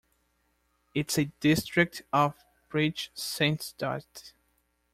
It's a district of Prichsenstadt.